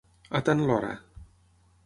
A tant l'hora.